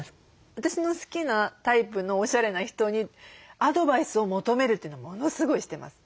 私の好きなタイプのおしゃれな人にアドバイスを求めるというのをものすごいしてます。